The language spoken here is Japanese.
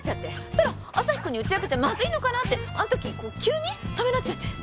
そしたらアサヒくんに打ち明けちゃまずいのかなってあの時急にためらっちゃって。